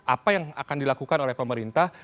apa yang akan dilakukan oleh pemerintah